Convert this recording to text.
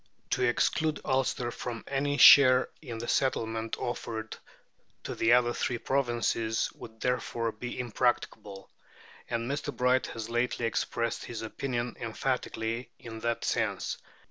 To exclude Ulster from any share in the settlement offered to the other three Provinces would therefore be impracticable; and Mr. Bright has lately expressed his opinion emphatically in that sense.